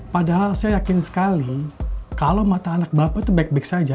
padahal saya yakin sekali kalau mata anak bapak itu baik baik saja